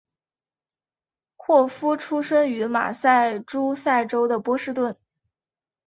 霍夫出生于马萨诸塞州的波士顿。